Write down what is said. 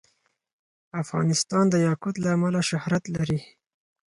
افغانستان د یاقوت له امله شهرت لري.